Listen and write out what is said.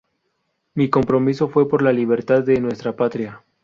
Mi compromiso fue por la libertad de nuestra patria.